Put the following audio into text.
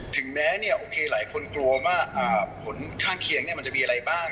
ถึงแม้เนี่ยโอเคหลายคนกลัวว่าผลข้างเคียงมันจะมีอะไรบ้าง